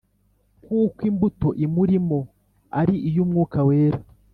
, kuko imbuto imurimo ari iy’Umwuka Wera